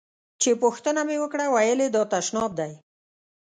چې پوښتنه مې وکړه ویل یې دا تشناب دی.